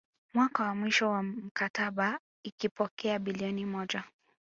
Mwaka wa mwisho wa mkataba ikipokea bilioni moja